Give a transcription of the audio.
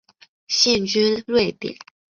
现居瑞典。